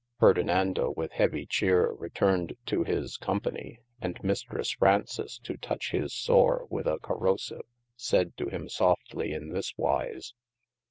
Ferdinando with heavie cheare returned to his com pany, and Mistresse Frounces to toutch his sore with a corosive, sayd to him softly in this wise.